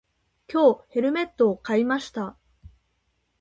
今日、ヘルメットを買いました。